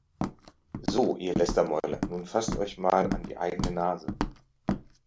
So, ihr Lästermäuler, nun fasst euch mal an die eigene Nase!